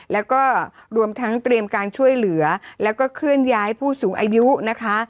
แล้วก็รวมทั้งเตรียมการช่วยเหลือแล้วก็เคลื่อนย้ายผู้สูงอายุนะคะ